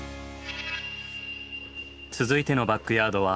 続いてのバックヤードは。